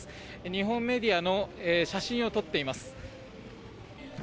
日本メディアの写真を撮っています。